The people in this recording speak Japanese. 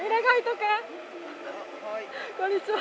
こんにちは。